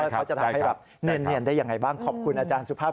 เขาจะทำให้แบบเนียนได้ยังไงบ้างขอบคุณอาจารย์สุภาพ